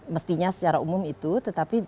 mestinya secara umum itu tetapi